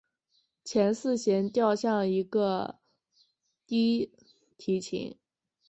前四弦调像一个低提琴。